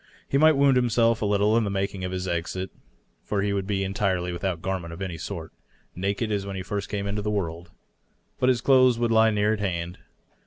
He might wound himself a little in making his exit, for he would be en tirely without garment of any sort, naked as when he first came into the world. But his clothes would lie near at hand.